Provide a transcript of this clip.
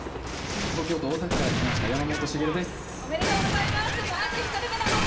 東京都大田区から来ましたやまもとです。